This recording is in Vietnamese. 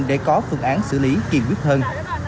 để có phương án xử lý kiên quyết hơn